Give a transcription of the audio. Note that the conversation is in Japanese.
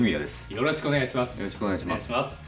よろしくお願いします。